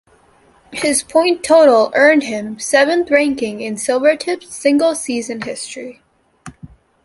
His point total earned him seventh ranking in Silvertips single season history.